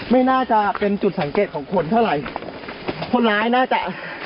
ไม่น่าจะเป็นจุดสังเกตของคนเท่าไหร่คนร้ายน่าจะ